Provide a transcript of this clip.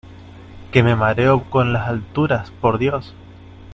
que me mareo con las alturas, por Dios.